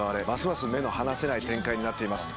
ます目の離せない展開になっています